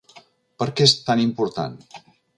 Per què és tan important?